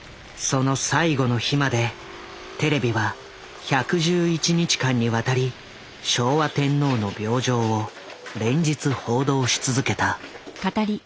その最後の日までテレビは１１１日間にわたり昭和天皇の病状を連日報道し続けた。